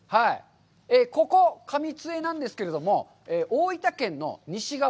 ここ、上津江なんですけれども、大分県の西側。